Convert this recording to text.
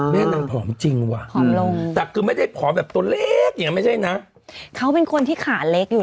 แต่หมายถึงว่าด้วยสรีรักษ์ปกติเริ่มทิ้งเล็กขนาดนี้